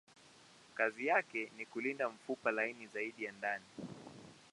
Kazi yake ni kulinda mfupa laini zaidi ya ndani.